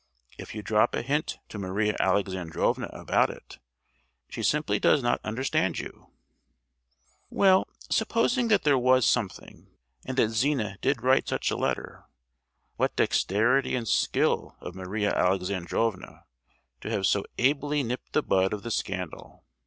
If you drop a hint to Maria Alexandrovna about it, she simply does not understand you. Well, supposing that there was something, and that Zina did write such a letter; what dexterity and skill of Maria Alexandrovna, to have so ably nipped the bud of the scandal!